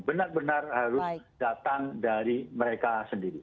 benar benar harus datang dari mereka sendiri